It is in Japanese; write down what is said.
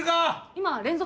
今連続